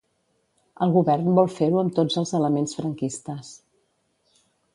El govern vol fer-ho amb tots els elements franquistes.